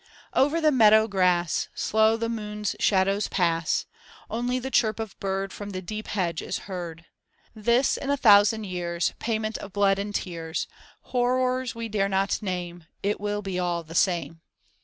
Over the meadow grass Slow the moon's shadows pass. Only the chirp of bird From the deep hedge is heard. This in a thousand years Payment of blood and tears, Horrors we dare not name. It will be all the same.